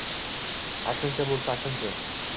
Aksincha bo‘lsa — aksincha.